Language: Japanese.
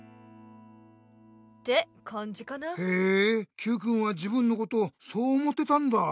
Ｑくんは自分のことそう思ってたんだあ。